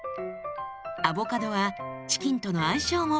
アボカドはチキンとの相性も抜群です。